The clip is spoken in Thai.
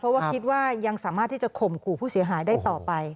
เพราะว่าคิดว่ายังสามารถที่จะข่มขู่ผู้เสียหายได้ต่อไป